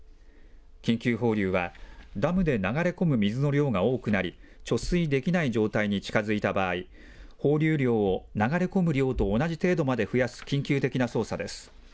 緊急放流は、ダムで流れ込む水の量が多くなり貯水できない状態に近づいた場合、放流量を流れ込む量と同じ程度まで増やす緊急的な操作です。